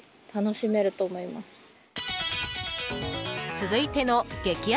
続いての激安